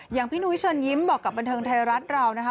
พี่นุ้ยเชิญยิ้มบอกกับบันเทิงไทยรัฐเรานะคะ